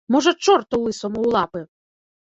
Можа чорту лысаму ў лапы!